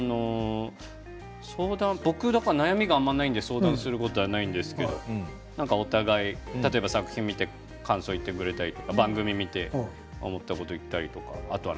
僕は悩みがあまりないから相談することはないんですけれど例えば、作品を見て感想を言ってくれたりとか番組を見て思ったこと言ったりとか。